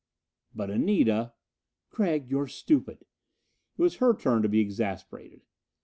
"But Anita " "Gregg, you're stupid!" It was her turn to be exasperated.